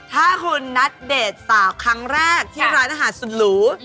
ถ้าคุณนัดเดทสาวครั้งแรกที่ร้านอาหารสุดหรู